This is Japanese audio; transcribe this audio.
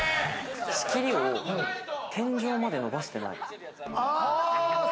仕切りを天井まで伸ばしてない。